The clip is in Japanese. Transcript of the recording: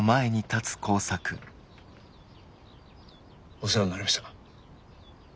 お世話になりました。